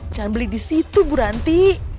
jangan beli disitu bu ranti